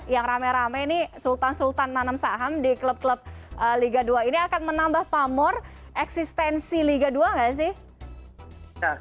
yang rame rame ini sultan sultan nanam saham di klub klub liga dua ini akan menambah pamor eksistensi liga dua nggak sih